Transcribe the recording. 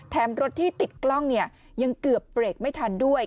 รถที่ติดกล้องเนี่ยยังเกือบเบรกไม่ทันด้วย